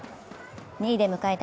２位で迎えた